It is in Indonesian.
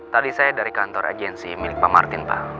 tadi saya dari kantor agensi milik pak martin pak